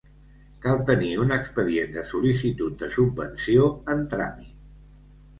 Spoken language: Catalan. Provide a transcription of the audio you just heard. Cal tenir un expedient de sol·licitud de subvenció en tràmit.